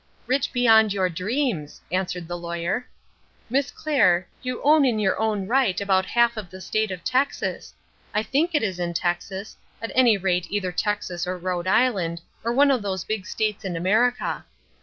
"Rich beyond your dreams," answered the Lawyer. "Miss Clair, you own in your own right about half of the State of Texas I think it is in Texas, at any rate either Texas or Rhode Island, or one of those big states in America.